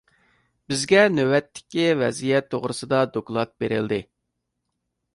بىزگە نۆۋەتتىكى ۋەزىيەت توغرىسىدا دوكلات بېرىلدى.